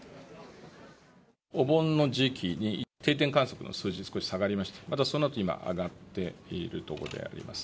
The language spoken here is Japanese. お盆の時期に定点観測の数字、少し下がりまして、またそのあと今、上がっているところであります。